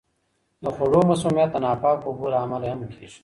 د خوړو مسمومیت د ناپاکو اوبو له امله هم کیږي.